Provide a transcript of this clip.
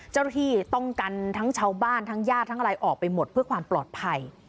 เจ้าหน้าที่ต้องกันทั้งชาวบ้านทั้งญาติทั้งอะไรออกไปหมดเพื่อความปลอดภัย